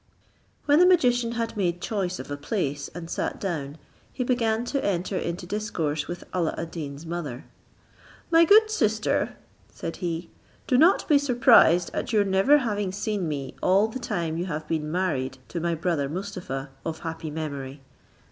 When the magician had made choice of a place, and sat down, he began to enter into discourse with Alla ad Deen's mother. "My good sister," said he, "do not be surprised at your never having seen me all the time you have been married to my brother Mustapha of happy memory.